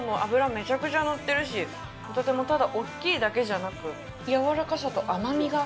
めちゃくちゃ乗ってるしホタテも、ただ大きいだけじゃなくやわらかさと甘みが。